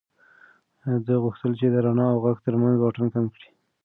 ده غوښتل چې د رڼا او غږ تر منځ واټن کم کړي.